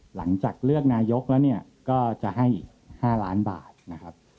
หลังจากเลือกนายกแล้วเนี่ยก็จะให้อีก๕ล้านบาทนะครับ